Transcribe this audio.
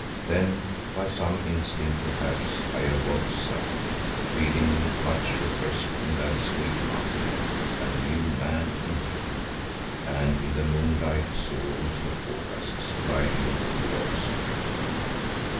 Then, by some instinct perhaps, I awoke suddenly, feeling much refreshed in that sweet mountain air, a new man indeed, and in the moonlight saw Umslopogaas striding towards me.